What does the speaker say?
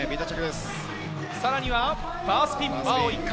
さらにバースピン。